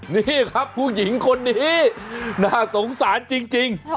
นี่ครับผู้หญิงคนนี้น่าสงสารจริง